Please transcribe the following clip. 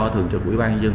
thường trực quỹ ban nhân dân